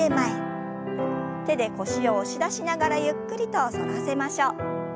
手で腰を押し出しながらゆっくりと反らせましょう。